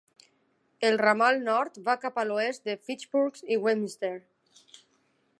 El ramal nord va cap a l'oest de Fitchburg i Westminster.